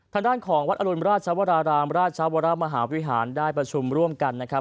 ทางด้านของวัดอรุณราชวรารามราชวรมหาวิหารได้ประชุมร่วมกันนะครับ